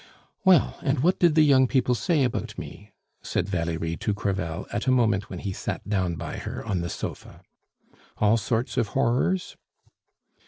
"Well, and what did the young people say about me?" said Valerie to Crevel at a moment when he sat down by her on the sofa. "All sorts of horrors?"